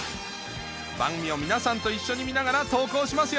番組を皆さんと一緒に見ながら投稿しますよ